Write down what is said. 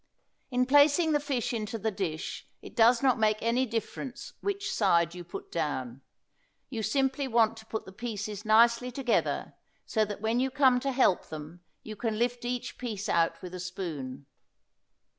In placing the fish into the dish it does not make any difference which side you put down. You simply want to put the pieces nicely together so that when you come to help them you can lift each piece out with a spoon.